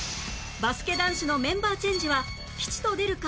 バスケ男子のメンバーチェンジは吉と出るか？